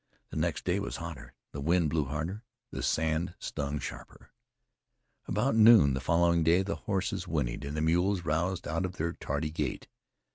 The next day was hotter; the wind blew harder; the sand stung sharper. About noon the following day, the horses whinnied, and the mules roused out of their tardy gait.